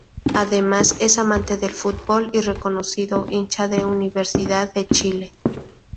Además, es amante del fútbol y reconocido hincha de Universidad de Chile.